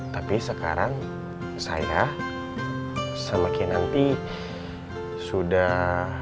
tapi sekarang saya sama kinanti sudah